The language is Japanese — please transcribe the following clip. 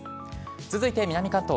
続いて南関東。